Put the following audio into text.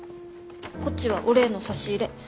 こっちはお礼の差し入れ。